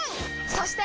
そして！